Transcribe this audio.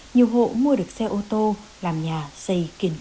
nhiều hộ mua được xe ô tô làm nhà xây kiên cố